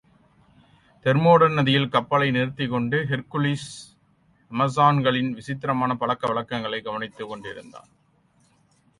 Thermodon நதியில் கப்பலை நிறுத்திக் கொண்டு, ஹெர்க்குலிஸ் அமெசான்களின் விசித்திரமான பழக்கவழக்கங்களைக் கவனித்துக்கொண்டிருந்தான்.